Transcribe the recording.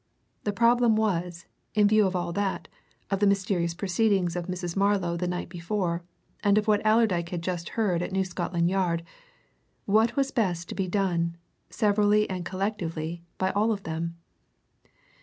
The problem was, in view of all that, of the mysterious proceedings of Mrs. Marlow the night before, and of what Allerdyke had just heard at New Scotland Yard what was best to be done, severally and collectively, by all of them?